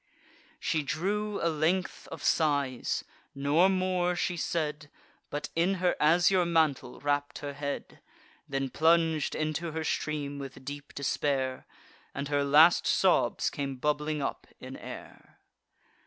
She drew a length of sighs; nor more she said, But in her azure mantle wrapp'd her head, Then plung'd into her stream, with deep despair, And her last sobs came bubbling up in air.